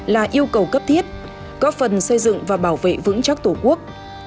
là yêu cầu cấp thiết góp phần xây dựng và bảo vệ vững chắc tổ quốc